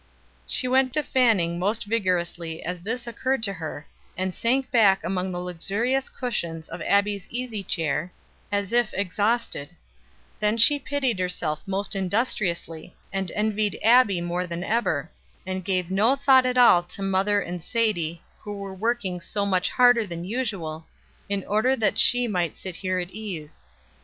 She went to fanning most vigorously as this occurred to her, and sank back among the luxurious cushions of Abbie's easy chair, as if exhausted; then she pitied herself most industriously, and envied Abbie more than ever, and gave no thought at all to mother and Sadie, who were working so much harder than usual, in order that she might sit here at ease.